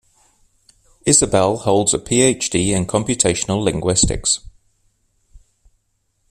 Isabelle holds a Ph.D. in Computational Linguistics.